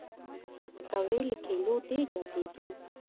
پکورې له کلیو ډېر یادېږي